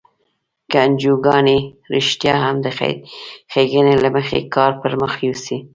که انجوګانې رښتیا هم د خیر ښیګڼې له مخې کار پر مخ یوسي.